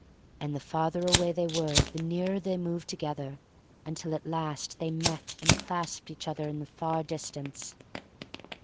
And the farther away they were the nearer they moved together until at last they met and clasped each other in the far distance.